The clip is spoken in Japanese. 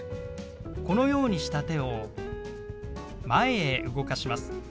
このようにした手を前へ動かします。